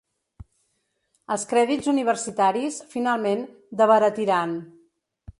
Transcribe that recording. Els crèdits universitaris finalment d'abaratiran.